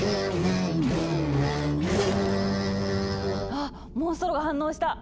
あっモンストロが反応した！